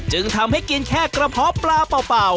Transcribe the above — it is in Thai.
จึงทำให้กินแค่กระเพาะปลาเปล่า